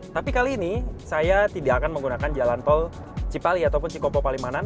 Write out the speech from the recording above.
tapi kali ini saya tidak akan menggunakan jalan tol cipali ataupun cikopo palimanan